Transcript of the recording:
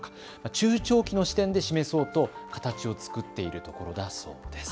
中長期の視点で示そうと形を作っているところだそうです。